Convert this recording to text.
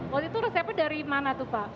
waktu itu resepnya dari mana tuh pak